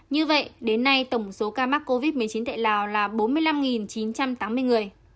như vậy đến nay tổng số ca mắc covid một mươi chín tại lào là bốn mươi năm chín trăm tám mươi người